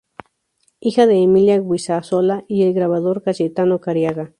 Hija de Emilia Guisasola y el grabador Cayetano Careaga.